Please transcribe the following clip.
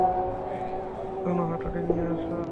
জন, হাতুড়ি নিয়ে আসো।